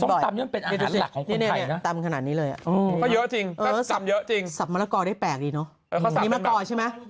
ซมตำนี่เป็นอาหารหลักของคนไทย